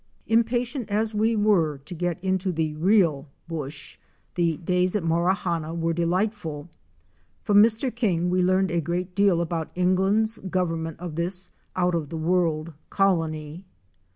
Impatient as we were to get into the real "bush," the days at Morawhanna were delightful. From Mr. King we learned a great deal about England's government of this out of the world colony.